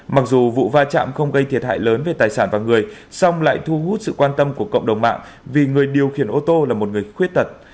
mặc dù vụ va chạm không gây thiệt hại lớn về tài sản và người song lại thu hút sự quan tâm của cộng đồng mạng vì người điều khiển ô tô là một người khuyết tật